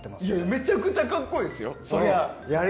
めちゃくちゃ格好いいですよ。